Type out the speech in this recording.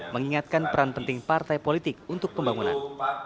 mengingatkan peran penting partai politik untuk pembangunan